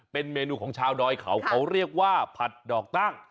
เป็นเมนูของชาวดอยเขาเขาเรียกว่าผัดดอกตั้ง